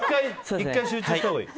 １回集中したほうがいい。